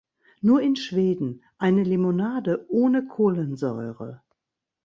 Nur in Schweden: Eine Limonade ohne Kohlensäure.